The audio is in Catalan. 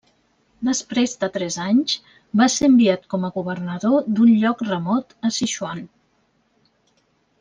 Després de tres anys, va ser enviat com a governador d'un lloc remot a Sichuan.